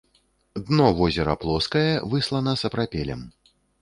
Дно возера плоскае, выслана сапрапелем.